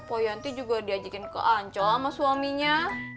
poyanti juga diajakin ke ancol sama suaminya